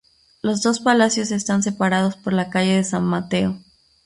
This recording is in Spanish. Los dos palacios están separados por la calle de San Mateo.